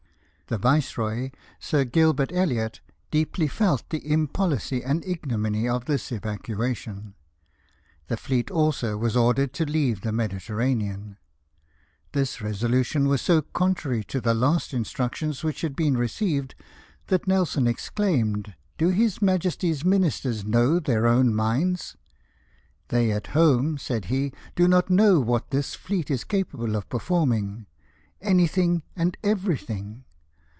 The viceroy, Sir Gilbert Elliot, deeply felt the im pohcy and ignominy of this evacuation. The fleet also was ordered to leave the Mediterranean. This resolution was so contrary to the last instructions which had been received that Nelson exclaimed : "Do his Majesty's Ministers know their own minds? They at home," said he, " do not know what this fleet is capable of performing — anything and everything.